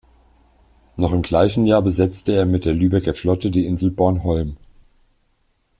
Noch im gleichen Jahr besetzte er mit der Lübecker Flotte die Insel Bornholm.